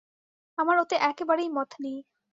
আমার ওতে একেবারেই মত নেই।